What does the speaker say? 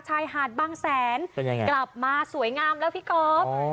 ชายหาดบางแสนกลับมาสวยงามแล้วพี่ก๊อฟ